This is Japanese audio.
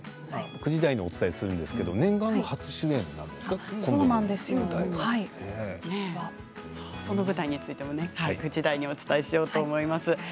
９時台にお伝えするんですが念願の初主演その舞台についても９時台にお伝えしようと思います。